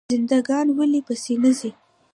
خزنده ګان ولې په سینه ځي؟